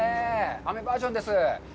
雨バージョンです。